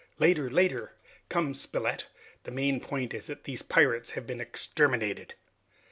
"Later! later! Come, Spilett. The main point is that these pirates have been exterminated!"